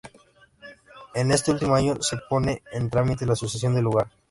En este último año, se pone en trámite la sucesión del lugar.